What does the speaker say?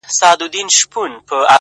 جادوگري جادوگر دي اموخته کړم،